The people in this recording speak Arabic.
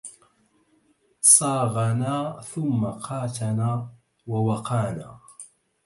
صاغنا ثم قاتنا ووَقانا